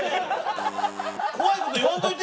怖い事言わんといて！